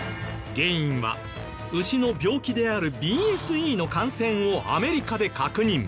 原因は牛の病気であるＢＳＥの感染をアメリカで確認。